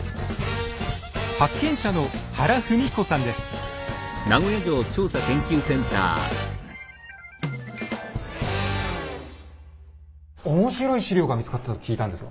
発見者の面白い史料が見つかったと聞いたんですが。